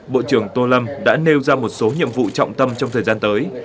bộ trưởng tô lâm đã nêu ra một số nhiệm vụ trọng tâm trong thời gian tới